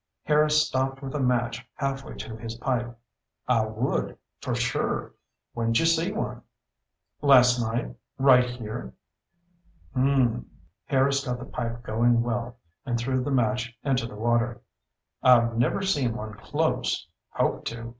Harris stopped with a match halfway to his pipe. "I would. For sure. When'd you see one?" "Last night. Right here." "Mmmmm." Harris got the pipe going well and threw the match into the water. "I've never seen one close. Hoped to.